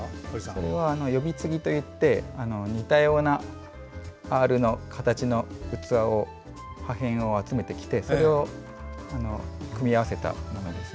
これは呼び継ぎといって似たような形の器を破片を集めてきて組み合わせたものです。